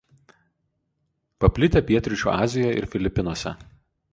Paplitę pietryčių Azijoje ir Filipinuose.